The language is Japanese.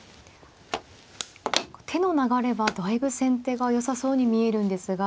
手の流れはだいぶ先手がよさそうに見えるんですが。